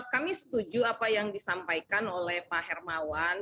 kami setuju apa yang disampaikan oleh pak hermawan